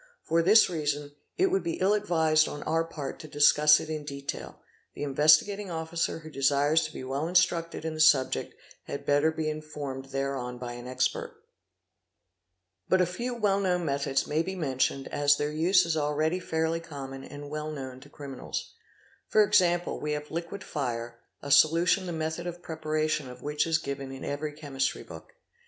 For this reason it would be ill advised on our part | to discuss it in detail; the Investigating Officer who desires to be well — instructed in the subject had better be informed thereon by an expert. — ELMER SATS 0 OT EB NE SIRE ES A RE REN igo SPONTANEOUS COMBUSTION PROPER 855 But a few well known methods may be mentioned as their use is already fairly common and well known to criminals. For example we have liquid fire, a solution the method of preparation of which is given in every chemistry book.